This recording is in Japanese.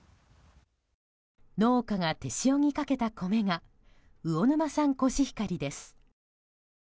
農家が手塩にかけた米が魚沼産コシヒカリです。